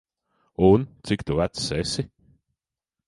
Un, cik tu vecs esi?